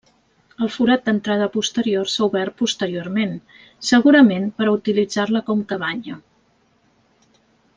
El forat d'entrada posterior s'ha obert posteriorment, segurament per a utilitzar-la com cabanya.